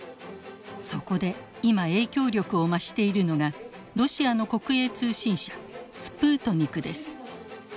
そこで今影響力を増しているのがロシアの国営通信社スプートニクです。